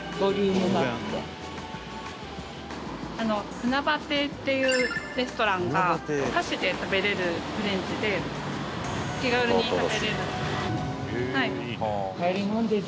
ふなば亭っていうレストランがお箸で食べれるフレンチで気軽に食べれる。